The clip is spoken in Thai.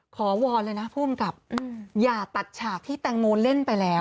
วอนเลยนะผู้กำกับอย่าตัดฉากที่แตงโมเล่นไปแล้ว